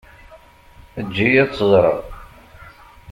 Eǧǧ-iyi ad tt-ẓreɣ.